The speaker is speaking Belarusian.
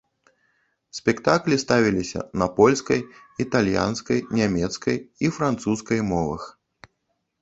Спектаклі ставіліся на польскай, італьянскай, нямецкай і французскай мовах.